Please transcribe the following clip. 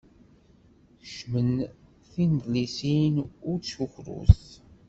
Kecmet tinedlisin ur ttkukrut!